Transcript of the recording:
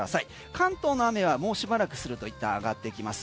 関東の雨はもうしばらくするといったん上がってきます。